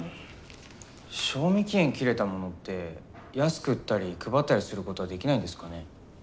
賞味期限切れたものって安く売ったり配ったりすることはできないんですかね？